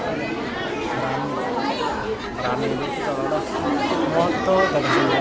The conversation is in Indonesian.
kalau waktu tidak bisa nanggu